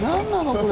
これ。